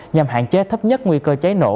nhằm hạn chế thấp nhất nguy cơ cháy nổ